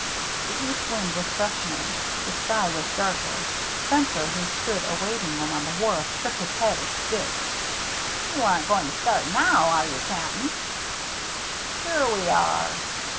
The east wind was freshening ; the sky was THE CIRCLE MARK 115 darker. Spencer, who stood awaiting them on the wharf, shook his head at Dick. "You aren't going to start now, are you, Cap'n ?"" Sure we are."